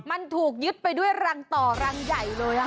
มันถูกยึดไปด้วยรังต่อรังใหญ่เลย